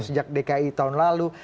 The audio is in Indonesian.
sejak dki tahun lalu